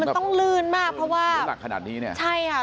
มันต้องลื่นมากเพราะว่าน้ำหนักขนาดนี้เนี่ยใช่ค่ะ